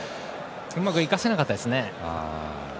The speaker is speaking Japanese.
うまく生かせなかったですね。